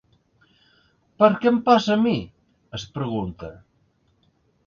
¿Per què em passa a mi?, es pregunta.